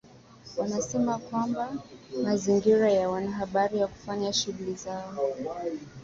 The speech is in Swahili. wanasema kwamba mazingira ya wanahabari ya kufanya shughuli zao